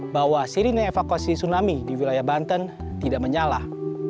bahwa sirine evakuasi tsunami di wilayah banten tidak menyalah